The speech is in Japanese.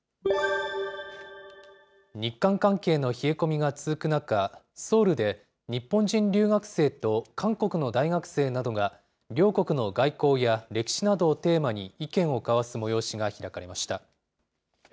日韓関係の冷え込みが続く中、ソウルで、日本人留学生と韓国の大学生などが、両国の外交や歴史などをテーマに意見を交わす催しが開かれました。